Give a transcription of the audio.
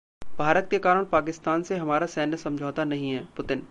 भारत के कारण पाकिस्तान से हमारा सैन्य समझौता नहीं है: पुतिन